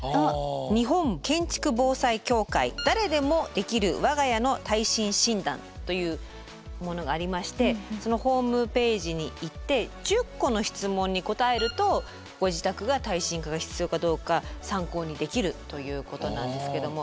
日本建築防災協会「誰でもできるわが家の耐震診断」というものがありましてそのホームページに行って１０個の質問に答えるとご自宅が耐震化が必要かどうか参考にできるということなんですけれども。